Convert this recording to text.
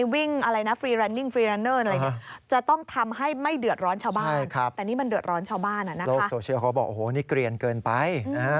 เพราะเพื่อนบอกว่าไม่เห็นด้วยกับพฤติกรรมแบบนี้